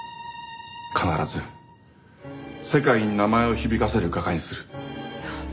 必ず世界に名前を響かせる画家にする。